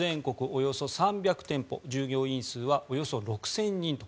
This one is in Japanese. およそ３００店舗従業員数はおよそ６０００人と。